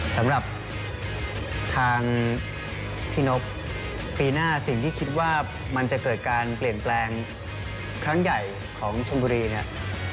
สำหรับทางพี่นบปีหน้าสิ่งที่คิดว่ามันจะเกิดการเปลี่ยนแปลงครั้งใหญ่ของชนบุรีเนี่ย